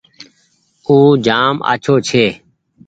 او جآم آڇو ڇي۔